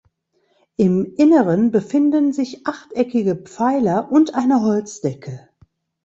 Im Inneren befinden sich achteckige Pfeiler und eine Holzdecke.